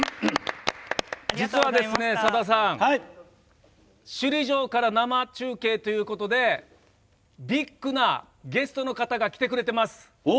実はですね、さださん首里城から生中継ということでビッグなゲストの方が来てくれています。